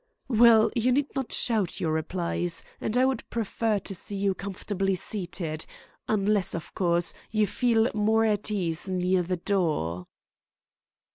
"Well, you need not shout your replies, and I would prefer to see you comfortably seated, unless, of course, you feel more at ease near the door."